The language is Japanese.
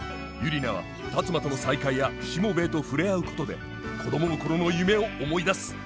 ユリナは辰馬との再会やしもべえと触れ合うことで子どもの頃の夢を思い出す。